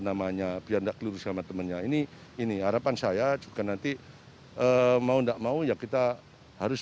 namanya biar enggak kelulus sama temennya ini ini harapan saya juga nanti mau tidak mau ya kita harus